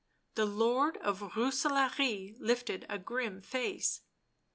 The Lord of Rooselaare lifted a grim face.